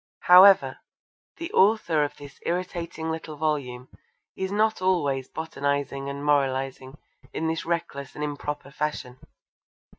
However, the author of this irritating little volume is not always botanising and moralising in this reckless and improper fashion.